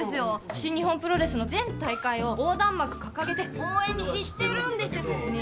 新日本プロレスの全大会を横断幕掲げて応援に行ってるんですよね